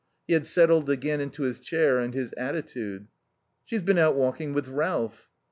He had settled again into his chair and his attitude. "She's been out walking with Ralph."